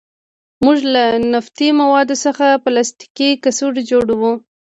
موږ له نفتي موادو څخه پلاستیکي کڅوړې جوړوو.